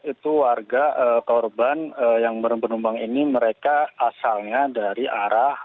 itu warga korban yang berpenumpang ini mereka asalnya dari arah